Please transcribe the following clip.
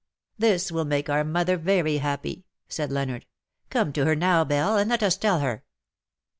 "This will make our mother very happy," said Leonard. " Come to her now, Belle, and let us tell her.